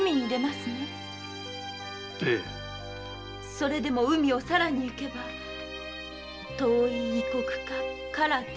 それでも海を更に行けば遠い異国か唐天竺。